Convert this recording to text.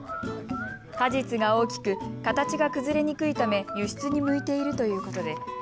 果実が大きく形が崩れにくいため輸出に向いているということです。